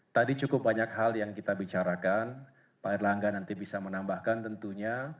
tadi cukup banyak hal yang kita bicarakan pak erlangga nanti bisa menambahkan tentunya